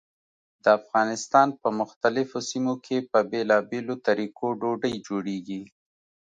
د افغانستان په مختلفو سیمو کې په بېلابېلو طریقو ډوډۍ جوړېږي.